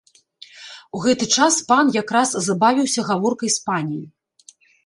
У гэты час пан якраз забавіўся гаворкай з паняй.